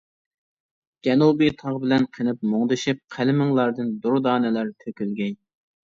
جەنۇبى تاغ بىلەن قېنىپ مۇڭدىشىپ، قەلىمىڭلاردىن دۇردانىلەر تۆكۈلگەي!